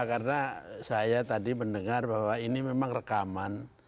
karena saya tadi mendengar bahwa ini memang rekaman